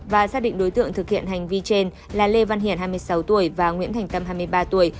và xác định đối tượng thực hiện hành vi trên là lê văn hiển hai mươi sáu tuổi và nguyễn thành tâm hai mươi ba tuổi